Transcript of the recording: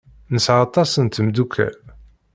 Nesɛa aṭas n tmeddukal.